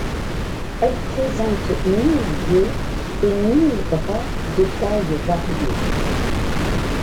Elle présente mille yeux, et mille bras, de tailles variées.